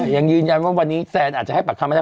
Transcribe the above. ยังยืนยันว่าวันนี้แซนอาจจะให้ปากคำไม่ได้